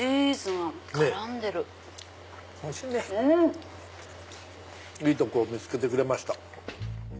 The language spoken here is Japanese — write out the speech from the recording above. いいとこを見つけてくれました。